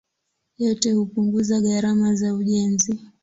Yote hupunguza gharama za ujenzi.